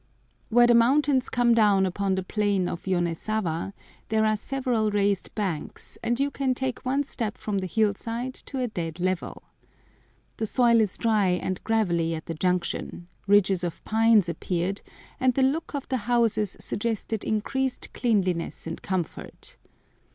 Where the mountains come down upon the plain of Yonezawa there are several raised banks, and you can take one step from the hillside to a dead level. The soil is dry and gravelly at the junction, ridges of pines appeared, and the look of the houses suggested increased cleanliness and comfort.